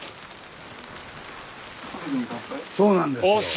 そうなんです。